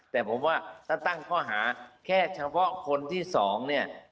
แต่ผมว่าถ้าตั้งข้อหาแค่เฉพาะคนที่สองเนี่ย